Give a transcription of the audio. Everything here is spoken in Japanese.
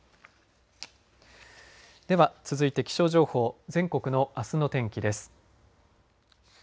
では続いて気象情報全国のあすの天気です。